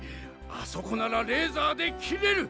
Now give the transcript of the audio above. あそこならレーザーで切れる。